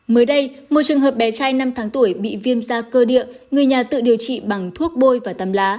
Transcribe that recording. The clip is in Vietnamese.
mới đây một trường hợp bé trai năm tháng tuổi bị viêm da cơ địa người nhà tự điều trị bằng thuốc bôi và tầm lá